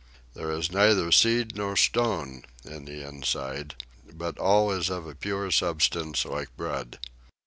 There is NEITHER SEED NOR STONE in the inside, but all is of a pure substance, like bread.